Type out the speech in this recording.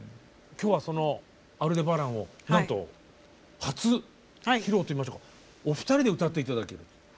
今日はその「アルデバラン」をなんと初披露と言いましょうかお二人で歌って頂けると。